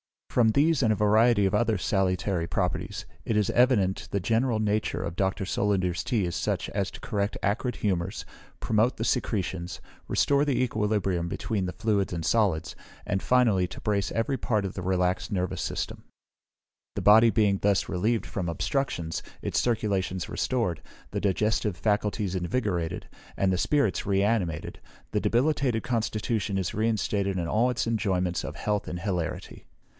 From these and a variety of other salutary properties, it is evident the general nature of Dr. Solander's tea is such as to correct acrid humours, promote the secretions, restore the equilibrium between the fluids and solids, and finally to brace every part of the relaxed nervous system. The body being thus relieved from obstructions, its circulations restored, the digestive faculties invigorated, and the spirits re animated, the debilitated constitution is reinstated in all its enjoyments of health and hilarity.